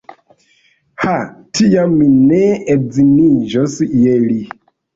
Ha! tiam mi ne edziniĝos je li.